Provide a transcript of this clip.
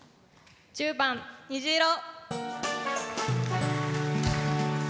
１０番「にじいろ」。